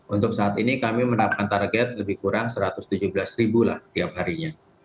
untuk saat ini kami menerapkan target lebih kurang satu ratus tujuh belas ribu lah tiap harinya